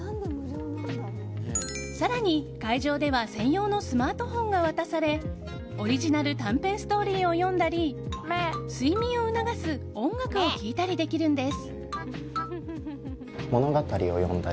更に、会場では専用のスマートフォンが渡されオリジナル短編ストーリーを読んだり睡眠を促す音楽を聴いたりできるんです。